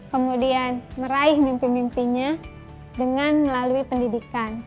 kemudian meraih mimpi mimpinya dengan melalui pendidikan